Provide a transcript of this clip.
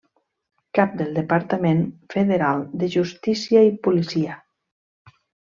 Cap del Departament Federal de Justícia i Policia.